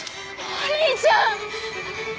お兄ちゃん！